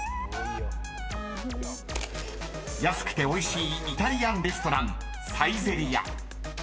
［安くておいしいイタリアンレストラン］